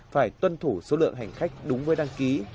phải tuân thủ số lượng hành khách đúng với đăng ký